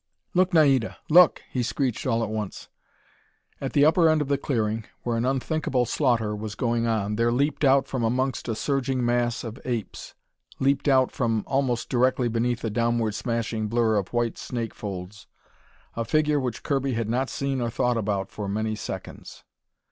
"Look, Naida! Look!" he screeched all at once. At the upper end of the clearing, where an unthinkable slaughter was going on, there leaped out from amongst a surging mass of apes, leaped out from almost directly beneath a downward smashing blur of white snake folds, a figure which Kirby had not seen or thought about for many seconds.